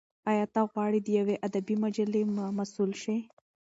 ایا ته غواړې د یوې ادبي مجلې مسول شې؟